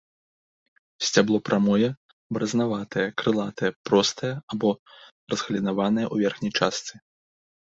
Сцябло прамое, баразнаватае, крылатае, простае або разгалінаванае ў верхняй частцы.